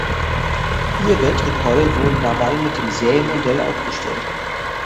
Vier Weltrekorde wurden dabei mit dem Serienmodell aufgestellt.